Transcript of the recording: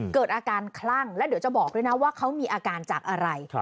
เกิดอาการคลั่งแล้วเดี๋ยวจะบอกด้วยนะว่าเขามีอาการจากอะไร